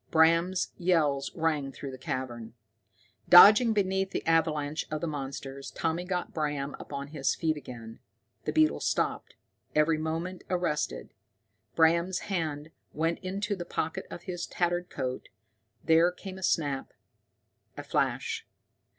Bram's yells rang through the cavern. Dodging beneath the avalanche of the monsters, Tommy got Bram upon his feet again. The beetles stopped, every movement arrested. Bram's hand went to the pocket of his tattered coat, there came a snap, a flash.